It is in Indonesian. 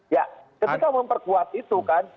ya ketika memperkuat itu kan